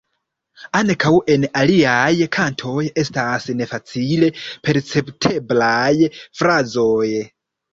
Ankaŭ en aliaj kantoj estas nefacile percepteblaj frazoj.